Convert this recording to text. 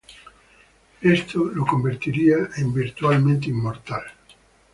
Esto lo convertiría en virtualmente inmortal.